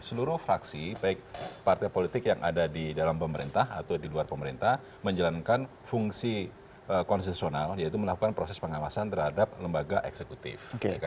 seluruh fraksi baik partai politik yang ada di dalam pemerintah atau di luar pemerintah menjalankan fungsi konstitusional yaitu melakukan proses pengawasan terhadap lembaga eksekutif